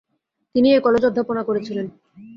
তিনি এই কলেজে অধ্যাপনা করেছিলেন।